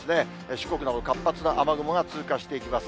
四国など活発な雨雲が通過していきます。